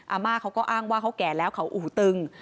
อาม่าเขาก็อ้างว่าเขาแก่แล้วเขาอู่ตึง